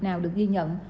nào được ghi nhận